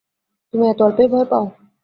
তুমি এত অল্পেই ভয় পাও?